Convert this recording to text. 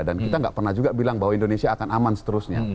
dan kita nggak pernah juga bilang bahwa indonesia akan aman seterusnya